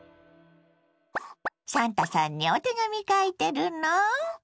サンタさんにお手紙書いてるの？